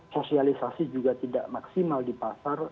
sosialisasi juga tidak maksimal di pasar